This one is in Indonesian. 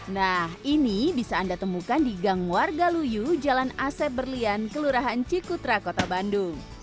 nah ini bisa anda temukan di gang warga luyu jalan asep berlian kelurahan cikutra kota bandung